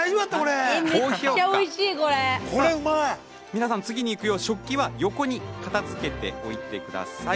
皆さん次にいくよう食器を横に片づけてください。